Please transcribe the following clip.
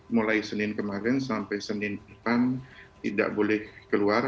mulai senin kemarin sampai senin depan tidak boleh keluar